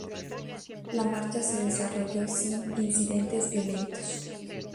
La marcha se desarrolló sin incidentes violentos.